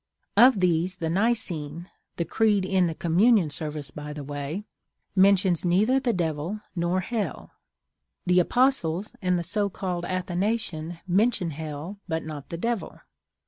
Of these the Nicene (the creed in the Communion Service, by the way) mentions neither the Devil nor Hell; the Apostles' and the so called Athanasian mention hell but not the Devil.